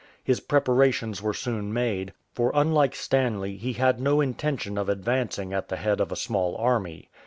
His preparations were soon made, for unlike Stanley he had no intention of ad vancing at the head of a small army.